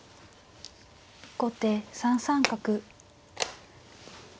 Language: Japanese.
後手３三角。